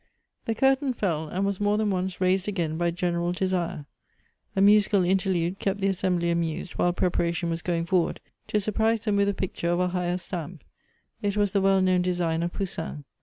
The curtain fell, and was more than once raised again by general desire. A musical interlude kept the assem bly amused while preparation was going forward, to sur prise them with a picture of a higher stamp ; it was the well known design of Poussin.